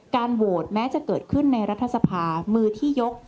โหวตแม้จะเกิดขึ้นในรัฐสภามือที่ยก